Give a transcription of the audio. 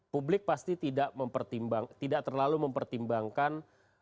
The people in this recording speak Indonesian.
publik pasti tidak terlalu mempertimbangkan